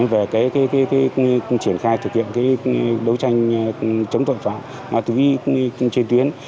về triển khai thực hiện đấu tranh chống tội phạm ma túy trên tuyến